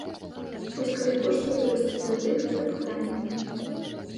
Вось калі кошты вырастуць, тады гэта пытанне.